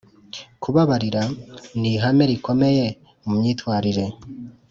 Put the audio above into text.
kubabarira ni ihame rikomeye mu myitwarire